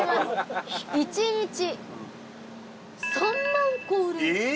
１日３万個売れる。